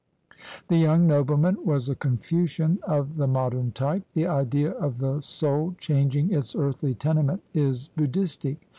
The young nobleman was a Confucian of the modern type. The idea of the soul changing its earthly tenement is Buddhistic.